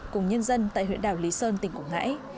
cùng nhân dân tại huyện đảo lý sơn tỉnh quảng ngãi